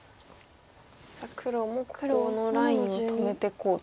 黒もこのラインを止めていこうと。